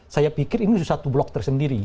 saya pikir ini suatu blok tersendiri